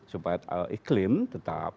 supaya iklim tetap